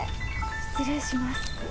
失礼します。